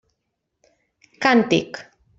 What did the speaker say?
Càntic.